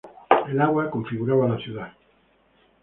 El agua configuraba la ciudad.